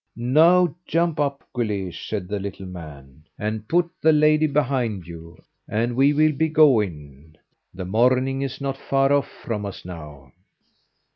"Now, jump up, Guleesh," said the little man, "and put the lady behind you, and we will be going; the morning is not far off from us now."